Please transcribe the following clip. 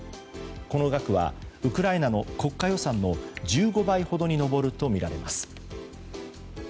この額はウクライナの国家予算の１５倍ほどに上るとみられます。